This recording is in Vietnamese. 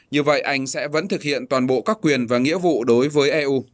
như vậy anh sẽ vẫn thực hiện toàn bộ các quyền và nghĩa vụ đối với eu